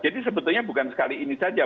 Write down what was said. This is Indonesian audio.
jadi sebetulnya bukan sekali ini saja